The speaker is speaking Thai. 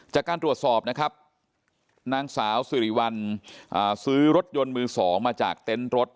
จากการตรวจสอบนะครับนางสาวสิริวัลซื้อรถยนต์มือ๒มาจากเต็นต์รถ